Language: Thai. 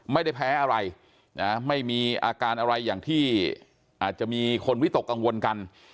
ไม่ได้แพ้อะไรนะไม่มีอาการอะไรอย่างที่อาจจะมีคนวิตกกังวลกัน